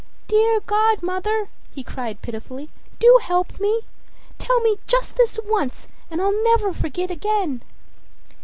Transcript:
"Dear godmother," he cried pitifully, "do help me! Tell me just this once and I'll never forget again."